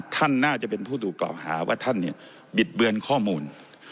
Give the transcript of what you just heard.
ท่านน่าจะเป็นผู้ถูกกล่าวหาว่าท่านเนี่ยบิดเบือนข้อมูล